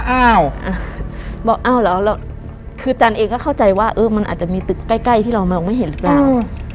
อ้าวบอกอ้าวเหรอคือจันเองก็เข้าใจว่าเออมันอาจจะมีตึกใกล้ที่เรามองไม่เห็นหรือเปล่า